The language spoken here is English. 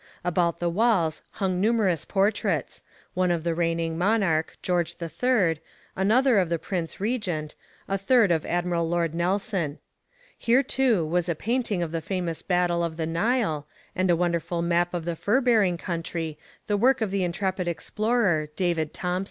About the walls hung numerous portraits one of the reigning monarch, George III, another of the Prince Regent, a third of Admiral Lord Nelson. Here, too, was a painting of the famous battle of the Nile, and a wonderful map of the fur bearing country, the work of the intrepid explorer David Thompson.